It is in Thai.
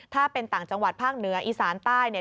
ถ้าเป็นต่างจังหวัดภาคเหนืออีสานใต้เนี่ย